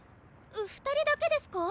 二人だけですか？